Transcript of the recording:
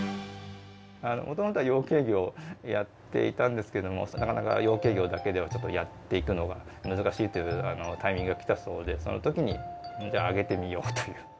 もともとは養鶏業をやっていたんですけども、なかなか養鶏業だけではちょっとやっていくのが難しいというタイミングが来たそうで、そのときに、それじゃあ、揚げてみようという。